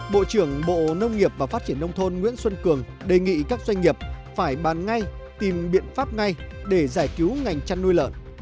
bộ trưởng bộ nông nghiệp và phát triển nông thôn nguyễn xuân cường đề nghị các doanh nghiệp phải bàn ngay tìm biện pháp ngay để giải cứu ngành chăn nuôi lợn